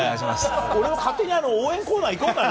俺も勝手に応援コーナー行こうかな。